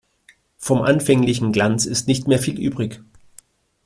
Vom anfänglichen Glanz ist nicht mehr viel übrig.